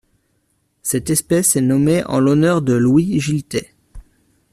Cette espèce est nommée en l'honneur de Louis Giltay.